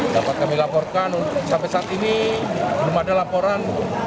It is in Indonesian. dapat kami laporkan sampai saat ini belum ada laporan